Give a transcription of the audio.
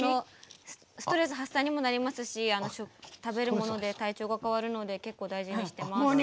ストレス発散にもなりますし食べるもので体調が変わるので結構、大事にしてます。